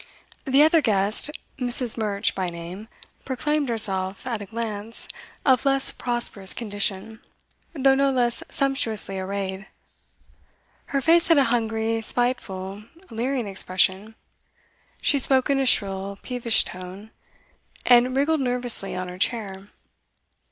The other guest, Mrs. Murch by name, proclaimed herself, at a glance, of less prosperous condition, though no less sumptuously arrayed. Her face had a hungry, spiteful, leering expression; she spoke in a shrill, peevish tone, and wriggled nervously on her chair.